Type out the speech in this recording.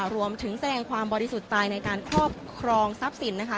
แสดงความบริสุทธิ์ใจในการครอบครองทรัพย์สินนะคะ